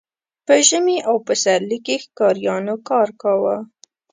په ژمي او پسرلي کې ښکاریانو ښکار کاوه.